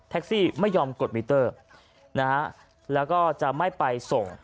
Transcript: ซี่ไม่ยอมกดมิเตอร์นะฮะแล้วก็จะไม่ไปส่ง